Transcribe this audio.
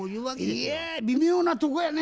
いや微妙なとこやね。